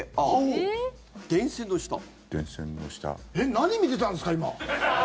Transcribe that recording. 何見てたんですか、今！